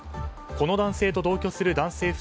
この男性と同居する男性